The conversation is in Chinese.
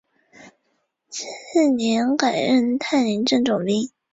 扎捷伊哈农村居民点是俄罗斯联邦伊万诺沃州普切日区所属的一个农村居民点。